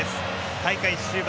大会終盤